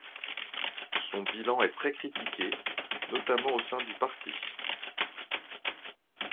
Son bilan est très critiqué, notamment au sein du parti.